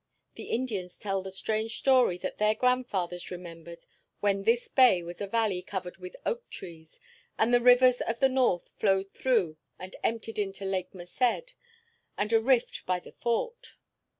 The Indians tell the strange story that their grandfathers remembered when this bay was a valley covered with oak trees, and the rivers of the north flowed through and emptied into Lake Merced and a rift by the Fort.